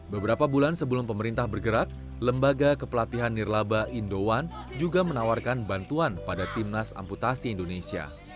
beberapa bulan sebelum pemerintah bergerak lembaga kepelatihan nirlaba indowan juga menawarkan bantuan pada timnas amputasi indonesia